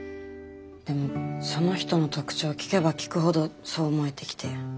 でもその人の特徴を聞けば聞くほどそう思えてきて。